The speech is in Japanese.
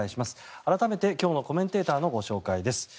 改めて今日のコメンテーターのご紹介です。